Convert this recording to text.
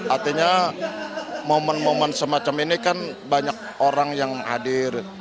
artinya momen momen semacam ini kan banyak orang yang hadir